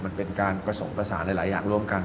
มันเป็นการผสมผสานหลายอย่างร่วมกัน